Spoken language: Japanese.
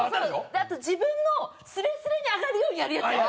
あと自分のすれすれに上がるようにやるやつ。